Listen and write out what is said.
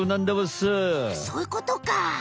そういうことか。